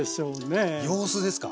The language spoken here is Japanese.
様子ですか？